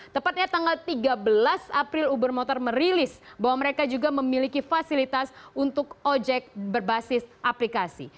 tepatnya tanggal tiga belas april uber motor merilis bahwa mereka juga memiliki fasilitas untuk ojek berbasis aplikasi